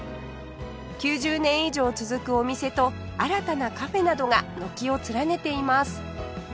９０年以上続くお店と新たなカフェなどが軒を連ねています